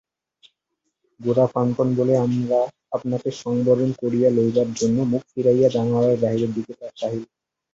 গোরা প্রাণপণ বলে আপনাকে সংবরণ করিয়া লইবার জন্য মুখ ফিরাইয়া জানালার বাহিরের দিকে চাহিল।